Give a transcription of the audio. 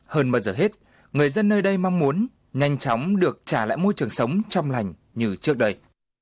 hơn bao giờ hết người dân nơi đây mong muốn nhanh chóng được trả lại môi trường sống trong lành như trước đây